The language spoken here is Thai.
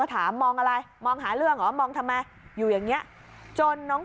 ถามมองอะไรมองหาเรื่องเหรอมองทำไมอยู่อย่างเงี้ยจนน้อง